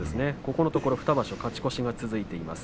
このところ２場所勝ち越しが続いています。